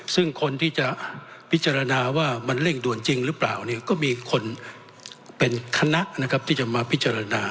ซึ่งคนที่จะพิจารณาว่ามันเร่งด่วนจริงหรือเปล่าเนี่ยก็มีคนเป็นคณะนะครับที่จะมาพิจารณา